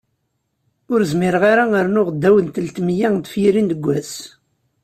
Ur zmireɣ ara rnuɣ ddaw n telt meyya n tefyirin deg wass.